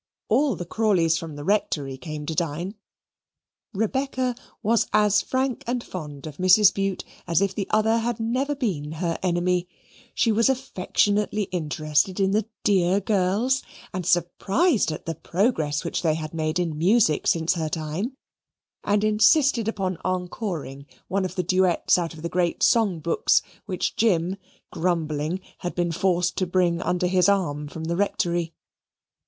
All the Crawleys from the Rectory came to dine. Rebecca was as frank and fond of Mrs. Bute as if the other had never been her enemy; she was affectionately interested in the dear girls, and surprised at the progress which they had made in music since her time, and insisted upon encoring one of the duets out of the great song books which Jim, grumbling, had been forced to bring under his arm from the Rectory.